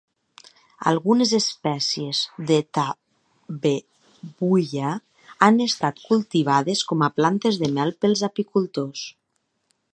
Algunes espècies de "Tabebuia" han estat cultivades com a plantes de mel pels apicultors.